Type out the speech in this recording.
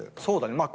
そうだね。